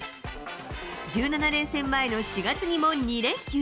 １７連戦前の４月にも２連休。